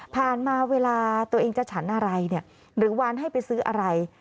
ผ่านมาเวลาตัวเองจะฉันอะไรหรือวานให้ไปซื้ออะไร